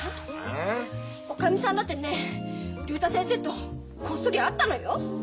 あ？おかみさんだってね竜太先生とこっそり会ったのよ。